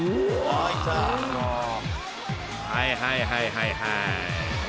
［はいはいはいはいはーい］